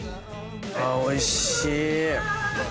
おいしい。